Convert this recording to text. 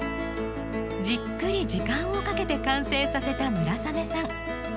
じっくり時間をかけて完成させた村雨さん。